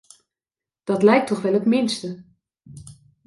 Dat lijkt toch wel het minste.